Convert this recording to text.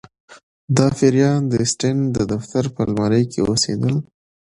دا پیریان د اسټین د دفتر په المارۍ کې اوسیدل